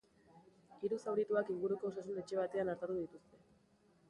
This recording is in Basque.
Hiru zaurituak inguruko osasun etxe batean artatu dituzte.